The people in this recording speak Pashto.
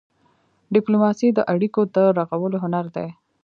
ډيپلوماسي د اړیکو د رغولو هنر دی.